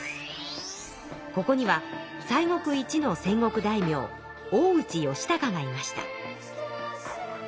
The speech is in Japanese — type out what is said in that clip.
ここには西国一の戦国大名大内義隆がいました。